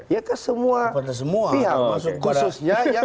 kepada semua pihak khususnya